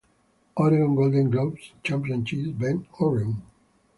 Oregon Golden Gloves Championships - Bend Oregon.